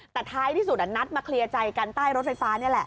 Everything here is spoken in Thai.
แต่ท้ายที่สุดนัดมาเคลียร์ใจกันใต้รถไฟฟ้านี่แหละ